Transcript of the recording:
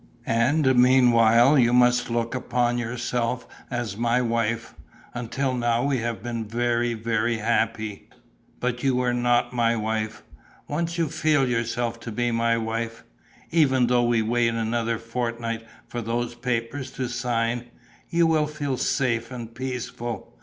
And meanwhile you must look upon yourself as my wife. Until now we have been very, very happy ... but you were not my wife. Once you feel yourself to be my wife even though we wait another fortnight for those papers to sign you will feel safe and peaceful.